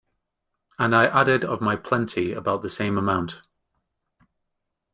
And I added of my plenty about the same amount.